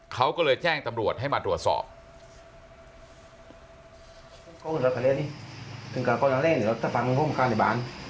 เขาก็เลยแจ้งตำรวจให้มาตรวจสอบ